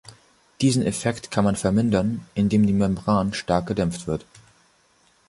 Diesen Effekt kann man vermindern, indem die Membran stark gedämpft wird.